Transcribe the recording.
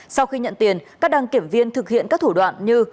sau khi nhận tiền các đăng kiểm viên thực hiện các thủ đoạn như